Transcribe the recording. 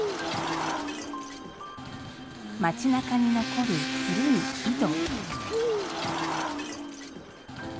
街なかに残る古い井戸。